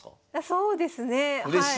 そうですねはい。